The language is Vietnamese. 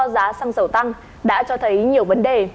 giá xăng dầu tăng đã cho thấy nhiều vấn đề